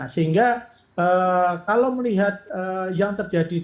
sehingga kalau melihat yang terjadi